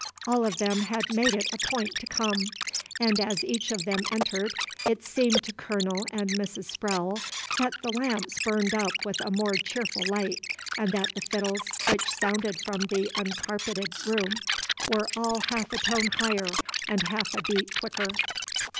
All of them had made it a point to come; and as each of them entered, it seemed to Colonel and Mrs. Sprowle that the lamps burned up with a more cheerful light, and that the fiddles which sounded from the uncarpeted room were all half a tone higher and half a beat quicker.